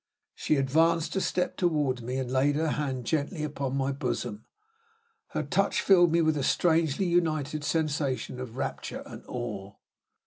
She advanced a step toward me, and laid her hand gently on my bosom. Her touch filled me with strangely united sensations of rapture and awe.